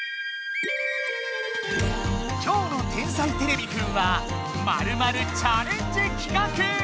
今日の「天才てれびくん」はまるまるチャレンジ企画！